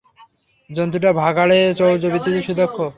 জন্তুটা ভাঁড়ারে চৌর্যবৃত্তিতে সুদক্ষ।